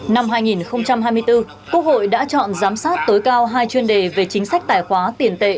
năm hai nghìn hai mươi bốn quốc hội đã chọn giám sát tối cao hai chuyên đề về chính sách tài khoá tiền tệ